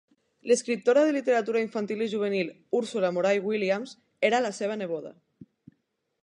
L'escriptora de literatura infantil i juvenil, Ursula Moray Williams, era la seva neboda.